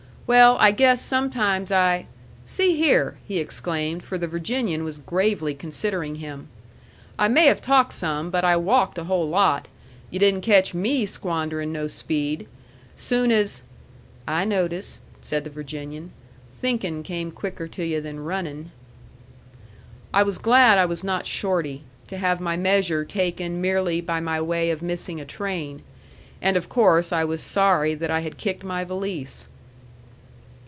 "Well, I guess, sometimes I See here," he exclaimed, for the Virginian was gravely considering him, "I may have talked some, but I walked a whole lot. You didn't catch ME squandering no speed. Soon as " "I noticed," said the Virginian, "thinkin' came quicker to yu' than runnin'." I was glad I was not Shorty, to have my measure taken merely by my way of missing a train. And of course I was sorry that I had kicked my valise.